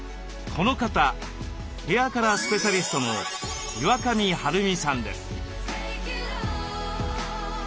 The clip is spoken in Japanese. この方ヘアカラースペシャリストの岩上晴美さんです。